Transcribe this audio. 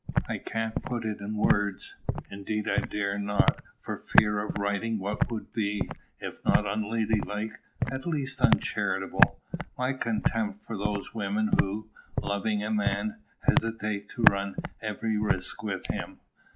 I can't put in words indeed I dare not, for fear of writing what would be, if not unladylike, at least uncharitable my contempt for those women who, loving a man, hesitate to run every risk with him.